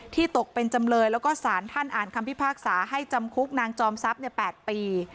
ตกเป็นจำเลยแล้วก็สารท่านอ่านคำพิพากษาให้จำคุกนางจอมทรัพย์๘ปี